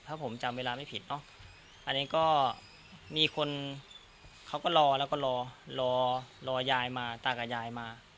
ถ้าผมจำเวลาไม่ผิดเนอะอันนี้ก็มีคนเขาก็รอแล้วก็รอรอยายมาตากับยายมา